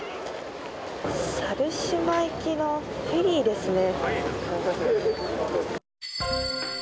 猿島行きのフェリーですね。